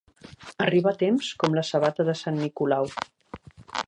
Arribar a temps, com la sabata de sant Nicolau.